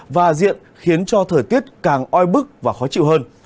và diện khiến cho thời tiết càng oi bức và khó chịu hơn